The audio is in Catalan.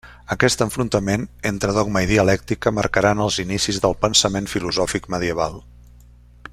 Aquest enfrontament entre dogma i dialèctica marcaran els inicis del pensament filosòfic medieval.